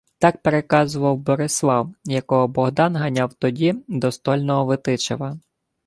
Так переказував Борислав, якого Богдан ганяв тоді до стольного Витичева.